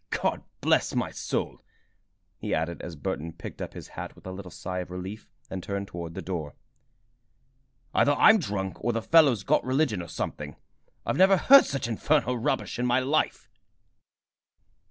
God bless my soul!" he added, as Burton picked up his hat with a little sigh of relief and turned toward the door. "Either I'm drunk or the fellow's got religion or something! I never heard such infernal rubbish in my life!"